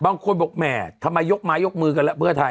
บางคนบอกแหมทำไมยกไม้ยกมือกันแล้วเพื่อไทย